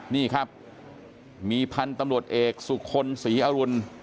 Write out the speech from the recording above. นี่ครับมีพันธุ์ตำรวจเอกสุคลศรีอรุณ